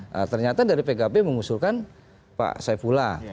nah ternyata dari pkb mengusulkan pak saifullah